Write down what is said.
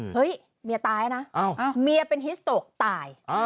เฮ้ยเมียตายนะเมียเป็นฮิสโตกตาย